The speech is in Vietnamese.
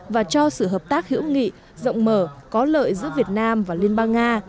và cho sự hợp tác hữu nghị rộng mở có lợi giữa việt nam và liên bang nga